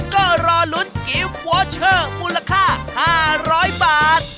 ก็รอลุ้นกิฟต์วอเชอร์มูลค่า๕๐๐บาท